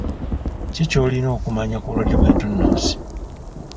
Ki ky'olina okumanya ku bulwadde bw'entunnunsi.